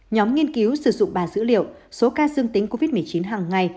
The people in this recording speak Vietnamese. nhóm nghiên cứu sử dụng ba dữ liệu số ca dương tính covid một mươi chín hàng ngày